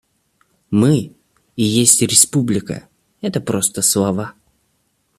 Мы и есть Республика, это просто слова.